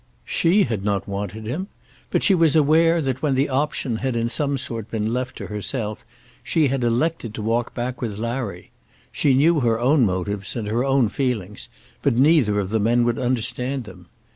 She had not wanted him. But she was aware that when the option had in some sort been left to herself, she had elected to walk back with Larry. She knew her own motives and her own feelings, but neither of the men would understand them.